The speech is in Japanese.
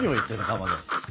かまど。